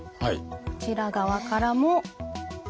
こちら側からも同じ。